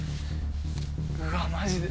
うわマジで。